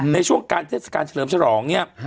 ในช่วงการเฉลิมฉลองเนี่ย